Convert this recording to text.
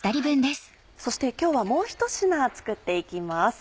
そして今日はもうひと品作って行きます。